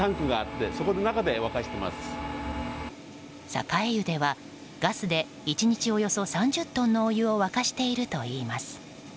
栄湯ではガスで１日およそ３０トンのお湯を沸かしているといいます。